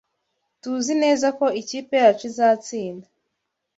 TUZI neza ko ikipe yacu izatsinda.